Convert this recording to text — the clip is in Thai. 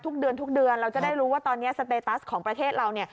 ทุกเดือนทุกเดือนเราจะได้รู้ว่าตอนนี้สเตตัสของประเทศเรา